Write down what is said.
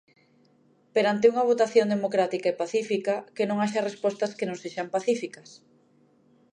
Perante unha votación democrática e pacifica, que non haxa respostas que non sexan pacíficas.